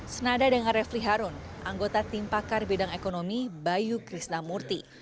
senada dengan refli harun anggota tim pakar bidang ekonomi bayu krisnamurti